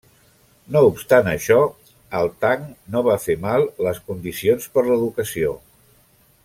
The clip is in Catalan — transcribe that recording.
No obstant això, el Tang no va fer mal les condicions per l'educació.